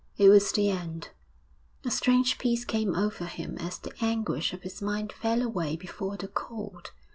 It was the end.... A strange peace came over him as the anguish of his mind fell away before the cold.